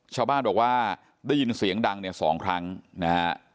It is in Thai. ชาวบ้านบอกว่าได้ยินเสียงดังเนี่ย๒ครั้งนะฮะ